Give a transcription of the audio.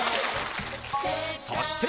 そして